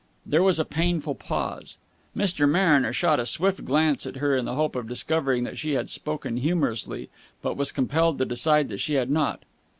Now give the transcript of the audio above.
There was a painful pause. Mr. Mariner shot a swift glance at her in the hope of discovering that she had spoken humorously, but was compelled to decide that she had not.